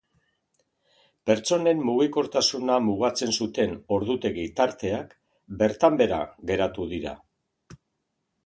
Pertsonen mugikortasuna mugatzen zuten ordutegi-tarteak bertan behera geratu dira.